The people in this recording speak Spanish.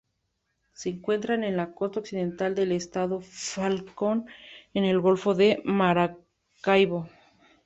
Se encuentra en la costa occidental del estado Falcón, en el Golfo de Maracaibo.